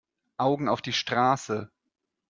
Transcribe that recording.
Augen auf die Straße!